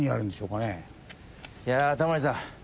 いやタモリさん。